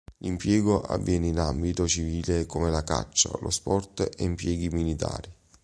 L'impiego avviene in ambito civile come la caccia, lo sport e impieghi militari.